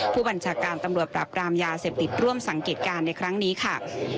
ผู้บัญชาการตำรวจปราบรามยาเสพติดร่วมสังเกตการณ์ในครั้งนี้ค่ะ